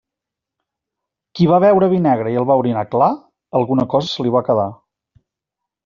Qui va beure vi negre i el va orinar clar, alguna cosa se li va quedar.